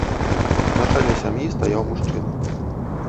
На чале сям'і стаяў мужчына.